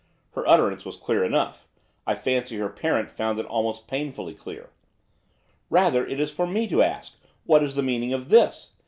Her utterance was clear enough, I fancy her parent found it almost painfully clear. 'Rather it is for me to ask, what is the meaning of this!